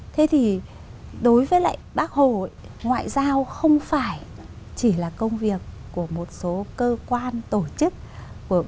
thế thì đối với lại bác hồ ngoại giao không phải chỉ là công việc của một số cơ quan tổ chức